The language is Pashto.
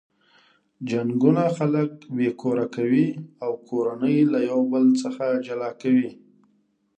جنګونه خلک بې کوره کوي او کورنۍ له یو بل څخه جلا کوي.